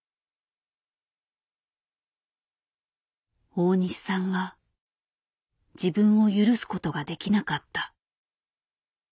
大西さんは自分を許すことができなかった。